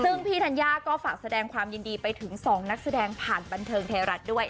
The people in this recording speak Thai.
ซึ่งพี่ธัญญาก็ฝากแสดงความยินดีไปถึง๒นักแสดงผ่านบันเทิงไทยรัฐด้วย